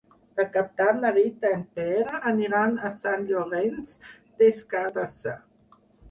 Per Cap d'Any na Rita i en Pere aniran a Sant Llorenç des Cardassar.